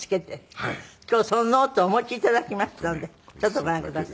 今日そのノートをお持ち頂きましたのでちょっとご覧ください。